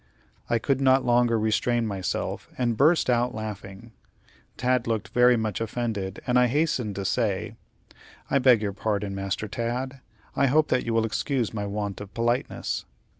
I could not longer restrain myself, and burst out laughing. Tad looked very much offended, and I hastened to say: "I beg your pardon, Master Tad; I hope that you will excuse my want of politeness."